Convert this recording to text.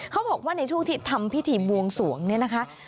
เขาบอกว่าในช่วงที่ทำพิธีบวงสวงเนี่ยนะคะ